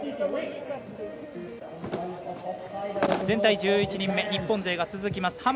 全体１１人目、日本勢が続きます。